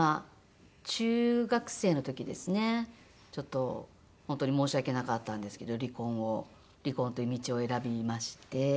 ちょっと本当に申し訳なかったんですけど離婚を離婚という道を選びまして。